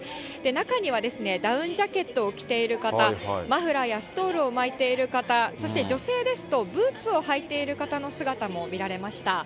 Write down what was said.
中には、ダウンジャケットを着ている方、マフラーやストールを巻いている方、そして女性ですと、ブーツを履いている方の姿も見られました。